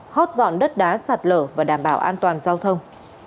hót dọn đất đá sạt lở và đảm bảo an toàn giao thông